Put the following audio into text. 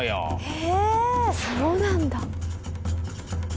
へえそうなんだ。